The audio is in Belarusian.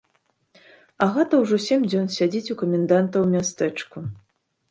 Агата ўжо сем дзён сядзіць у каменданта ў мястэчку.